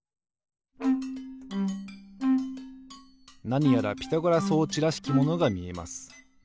なにやらピタゴラ装置らしきものがみえます。